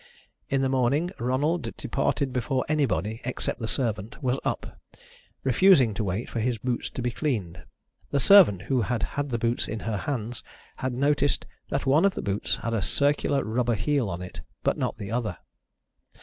In the morning Ronald departed before anybody, except the servant, was up, refusing to wait for his boots to be cleaned. The servant, who had had the boots in her hands, had noticed that one of the boots had a circular rubber heel on it, but not the other.